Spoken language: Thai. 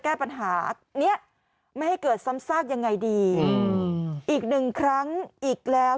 แก้ปัญหาเนี้ยไม่ให้เกิดซ้ำซากยังไงดีอืมอีกหนึ่งครั้งอีกแล้ว